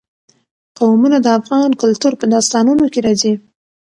قومونه د افغان کلتور په داستانونو کې راځي.